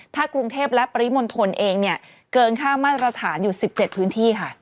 ถ้ากรุงเทพและปริมณฑลเองเนี่ยเกินค่ามาตรฐานอยู่๑๗พื้นที่ค่ะ